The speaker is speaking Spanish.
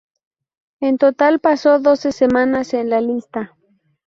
En total, pasó doce semanas en la lista.